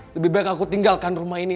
lebih baik aku tinggalkan rumah ini